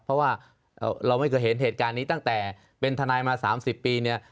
เพราะว่าเราไม่เคยเห็นเหตุการณ์นี้ตั้งแต่เป็นทนายมา๓๐ปีเนี่ย